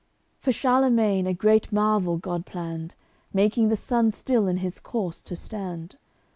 AOI. CLXXX For Charlemagne a great marvel God planned: Making the sun still in his course to stand.